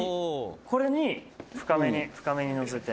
これに深めに、深めにのせて」